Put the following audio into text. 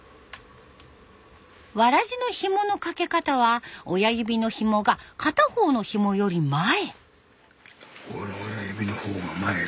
わらじのひものかけ方は親指のひもが片方のひもより前。